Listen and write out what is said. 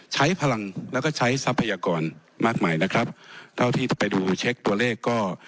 ใช้พลังแล้วก็ใช้ทรัพยากรมากมายนะครับเท่าที่ไปดูเช็คตัวเลขก็